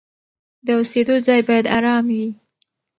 د اوسېدو ځای باید آرام وي.